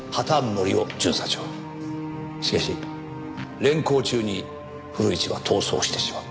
しかし連行中に古市は逃走してしまう。